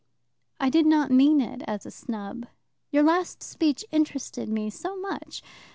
" "I do not mean it as a snub. Your last speech interested me so much.